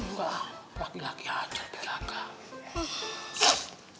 enggak laki laki aja biraqah